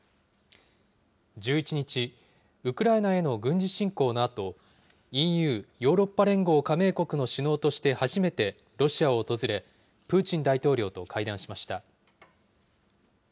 １１日、ウクライナへの軍事侵攻のあと、ＥＵ・ヨーロッパ連合加盟国の首脳として初めてロシアを訪れ、プーチン大統領と会談しました。